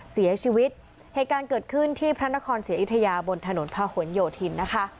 เสียชีวิตเหตุการณ์เกิดขึ้นที่พระนครเสียอิทยาบนถนนพหนโยธิน